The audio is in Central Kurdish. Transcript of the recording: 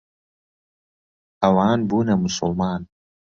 ئەوان بوونە موسڵمان.